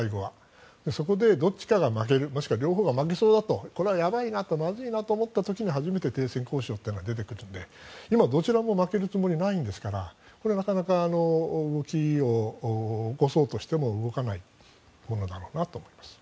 そこでどっちかが負ける両方が負けそう、まずいと思った時に初めて停戦交渉が出てくるので今、どちらも負けるつもりはないですからなかなか動きを起こそうとしても動かないと思います。